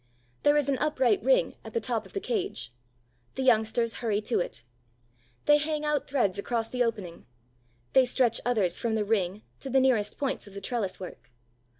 There is an upright ring at the top of the cage. The youngsters hurry to it. They hang out threads across the opening; they stretch others from the ring to the nearest points of the trellis work.